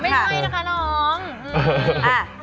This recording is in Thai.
ไม่ใช่นะคะน้อง